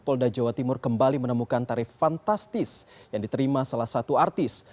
polda jawa timur kembali menemukan tarif fantastis yang diterima salah satu artis